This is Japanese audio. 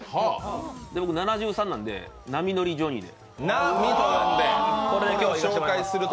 で、７３なので「波乗りジョニー」で。